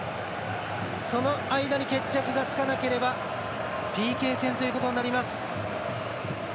その間に決着がつかなければＰＫ戦ということになります。